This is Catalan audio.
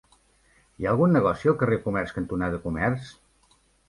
Hi ha algun negoci al carrer Comerç cantonada Comerç?